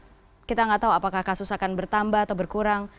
tapi mungkin saja kita nggak tahu apakah kasus akan bertambah atau berkurang